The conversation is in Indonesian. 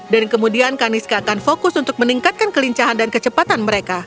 dan kemudian kaniska akan fokus untuk meningkatkan kelincahan dan kecepatan mereka